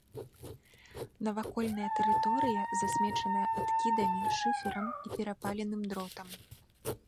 Навакольная тэрыторыя засмечаная адкідамі, шыферам і перапаленым дротам.